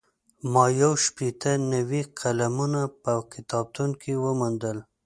ما یو شپېته نوي قلمونه په کتابتون کې وموندل.